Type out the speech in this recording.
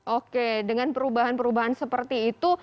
oke dengan perubahan perubahan seperti itu